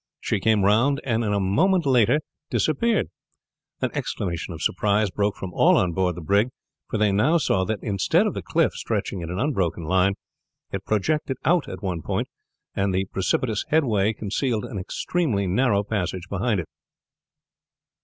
She came round, and in a moment later disappeared. An exclamation of surprise broke from all on board the brig, for they now saw that instead of the cliff stretching in an unbroken line it projected out at one point, and the precipitous headway concealed an extremely narrow passage behind it.